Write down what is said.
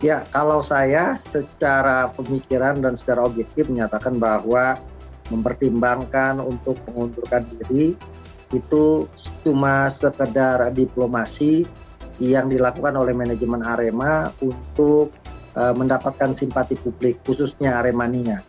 ya kalau saya secara pemikiran dan secara objektif menyatakan bahwa mempertimbangkan untuk mengundurkan diri itu cuma sekedar diplomasi yang dilakukan oleh manajemen arema untuk mendapatkan simpati publik khususnya aremania